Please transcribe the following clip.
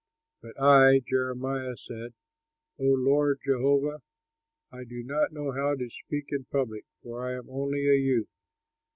But I (Jeremiah) said: "O Lord Jehovah! I do not know how to speak in public, for I am only a youth."